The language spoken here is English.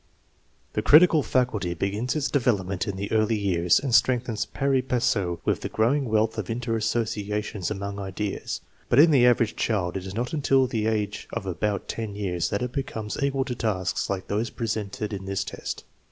The critical faculty begins its development in the early years and strengthens pari passu with. the growing wealth of inter associations among ideas; but in the average child it is not until the age of about 10 years that it becomes equal to tasks like those presented in this test.